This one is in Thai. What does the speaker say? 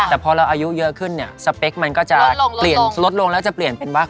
แต่พอเราอายุเยอะขึ้นเนี่ยสเปคมันก็จะเปลี่ยนลดลงแล้วจะเปลี่ยนเป็นบัก